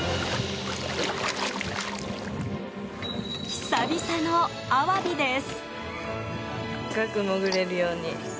久々のアワビです。